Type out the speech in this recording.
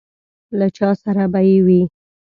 له چا سره به یې وي.